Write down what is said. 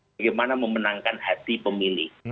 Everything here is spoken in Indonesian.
bagaimana memenangkan hati pemilih